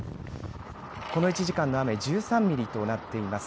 この１時間の雨、１３ミリとなっています。